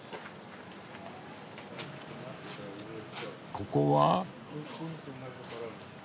ここは？